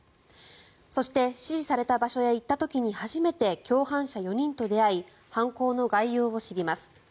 そして指示された場所へ行った時に初めて共犯者４人と出会い犯行の概要を知ります。